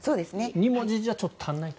２文字じゃちょっと足りないと。